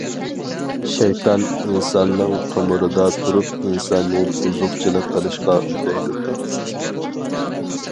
شەيتان ئىنساننىڭ تومۇرىدا تۇرۇپ ئىنساننى بۇزۇقچىلىق قىلىشقا ئۈندەيدۇ.